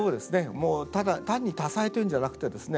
もうただ単に多彩というんじゃなくてですね